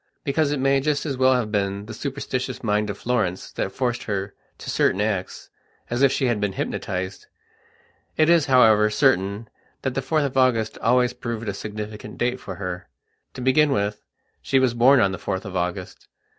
Because it may just as well have been the superstitious mind of Florence that forced her to certain acts, as if she had been hypnotized. It is, however, certain that the 4th of August always proved a significant date for her. To begin with, she was born on the 4th of August.